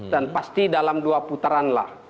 dan pasti dalam dua putaran lah